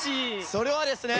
それはですね。